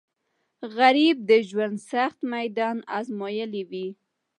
غریب د ژوند سخت میدان ازمویلی وي